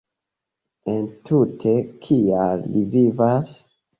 Entute kial li vivas?